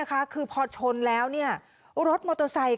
เป็นไงนะ